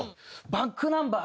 ｂａｃｋｎｕｍｂｅｒ